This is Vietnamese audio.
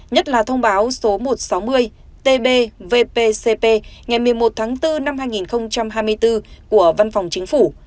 nhất là thông báo số một trăm sáu mươi tb vpcp ngày một mươi một tháng bốn năm hai nghìn hai mươi bốn của văn phòng chính phủ